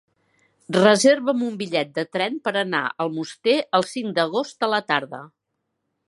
Reserva'm un bitllet de tren per anar a Almoster el cinc d'agost a la tarda.